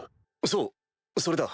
そうそれだ。